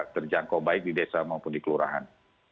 terjangkau baik di desa maupun di kelurahan